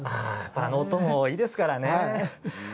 あの音もいいですからね。